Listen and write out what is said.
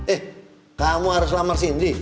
eh kamu harus lamar sindi